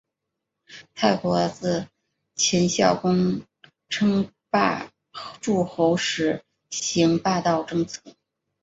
秦国自秦孝公称霸诸候时行霸道政策。